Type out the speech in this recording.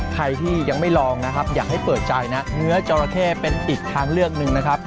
ใครที่ยังไม่ลองนะครับอยากให้เปิดใจนะเนื้อจอราเข้เป็นอีกทางเลือกหนึ่งนะครับ